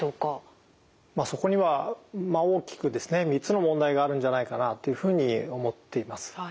そこには大きくですね３つの問題があるんじゃないかなというふうに思っています。